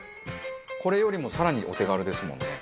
これよりも更にお手軽ですもんね。